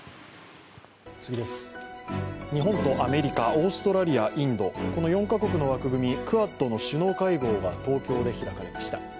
日本とアメリカ、オーストラリアインド、この４カ国の枠組み、クアッドの首脳会合が東京で開かれました。